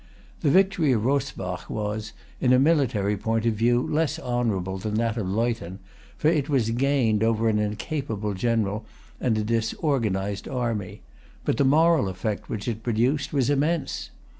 The victory of Rosbach was, in a military point of view, less honorable than that of Leuthen; for it was gained over an incapable general and a disorganized army; but the moral effect which it produced was immense.